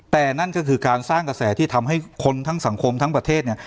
แต่นั่นก็คือการสร้างกระแสที่ทำให้คนทั้งสังคมทั้งประเทศเนี่ย